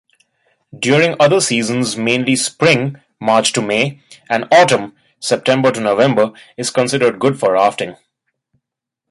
During other seasons mainly spring (March–May) and autumn (September–November) is considered good for rafting.